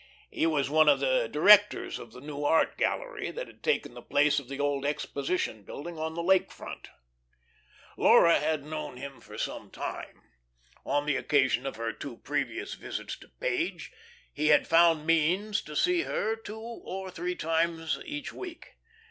He was one of the directors of the new Art Gallery that had taken the place of the old Exposition Building on the Lake Front. Laura had known him for some little time. On the occasion of her two previous visits to Page he had found means to see her two or three times each week.